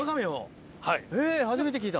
えぇ初めて聞いた。